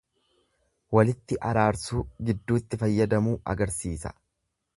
Walitti araarsuu, gidduutti fayyadamuu agarsiisa.